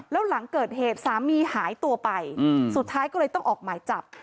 แล้วหลังเกิดเหตุสามีหายตัวไปสุดท้ายก็เลยต้องออกหมายจับ